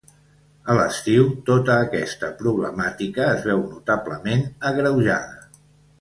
A l'estiu tota aquesta problemàtica es veu notablement agreujada.